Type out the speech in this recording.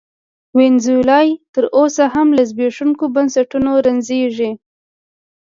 وینزویلا تر اوسه هم له زبېښونکو بنسټونو رنځېږي.